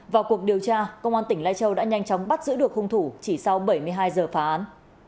vào cuộc điều tra công an tỉnh lai châu đã nhanh chóng bắt giữ được hung thủ chỉ sau bảy mươi hai giờ phá án